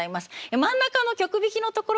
真ん中の曲弾きのところがですね